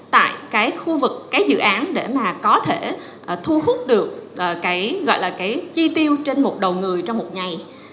tại cái khu vực cái dự án để mà có thể thu hút được cái gọi là cái chi tiêu trên một đầu người trong một ngày